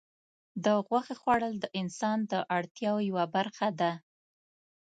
د غوښې خوړل د انسان د اړتیاوو یوه برخه ده.